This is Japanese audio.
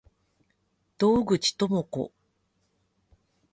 洞口朋子